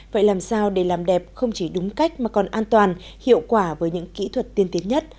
vậy làm sao để làm đẹp không chỉ đúng cách mà còn an toàn hiệu quả với những kỹ thuật tiên tiến nhất